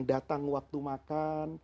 datang waktu makan